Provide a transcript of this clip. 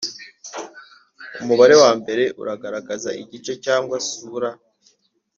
umubare wa mbere ugaragaza igice cyangwa sura